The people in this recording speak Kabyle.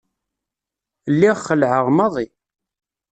Lliɣ xelεeɣ maḍi.